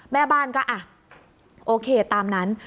แม่บ้านก็โอเคตามนั้น